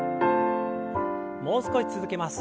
もう少し続けます。